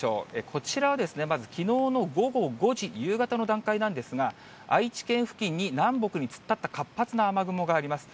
こちら、まずきのうの午後５時、夕方の段階なんですが、愛知県付近に南北に突っ立った活発な雨雲があります。